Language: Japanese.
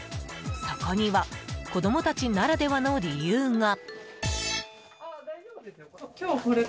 そこには子供たちならではの理由が。